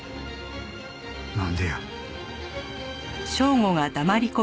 なんでや？